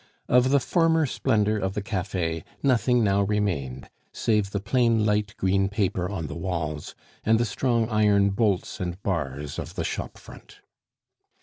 Of the former splendor of the cafe, nothing now remained save the plain light green paper on the walls, and the strong iron bolts and bars of the shop front.